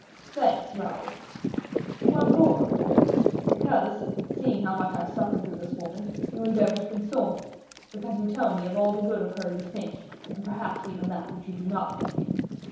"Thanks, Raoul." "What for?" "Because, seeing how much I suffer through this woman, you endeavor to console me, because you tell me all the good of her you think, and perhaps even that which you do not think."